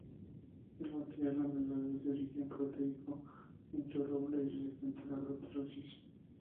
El material amiloide es de origen proteico, insoluble y resistente a la proteólisis.